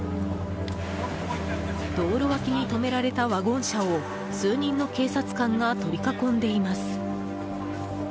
道路脇に止められたワゴン車を数人の警察官が取り囲んでいます。